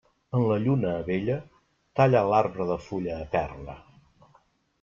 En la lluna vella, talla l'arbre de fulla eterna.